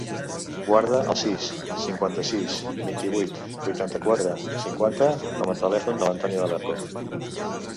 Guarda el sis, cinquanta-sis, vint-i-vuit, vuitanta-quatre, cinquanta com a telèfon de l'Antònia Del Arco.